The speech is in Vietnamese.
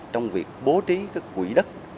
trong việc bố trí các quỹ đất